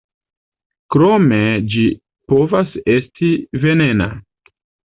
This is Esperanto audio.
Krome ĝi povas esti venena.